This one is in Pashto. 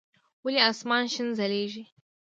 ولي اسمان شين ځليږي؟